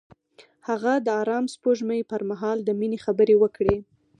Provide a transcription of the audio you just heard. هغه د آرام سپوږمۍ پر مهال د مینې خبرې وکړې.